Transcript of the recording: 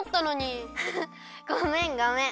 ごめんごめん。